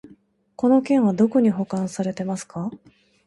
この件はどこに保管されてますか？